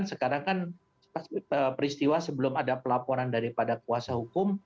sekarang kan peristiwa sebelum ada pelaporan daripada kuasa hukum